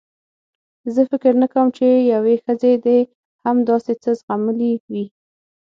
زه فکر نه کوم چې یوې ښځې دې هم داسې څه زغملي وي.